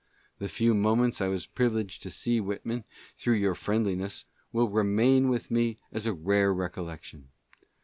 The few mome:: ; Z was privileged to see Whitman, through your friendliness, will remain with me as a rare recollection.